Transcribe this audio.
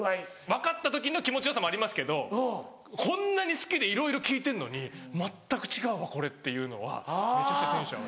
分かった時の気持ちよさもありますけどこんなに好きでいろいろ聞いてんのに「全く違うわこれ」っていうのはめちゃくちゃテンション上がります。